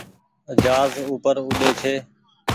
جهآز اوپر اوڏي ڇي۔